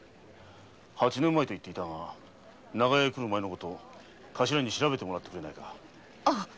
八年前長屋へ来る前の事頭に調べてもらってくれないか。